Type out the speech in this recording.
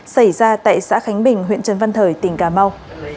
xảy ra tại xã khánh bình huyện trần văn thời tỉnh cà mau